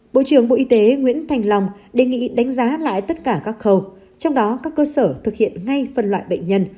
bộ trưởng bộ y tế nguyễn thành long đề nghị đánh giá lại tất cả các khâu trong đó các cơ sở thực hiện ngay phần loại bệnh nhân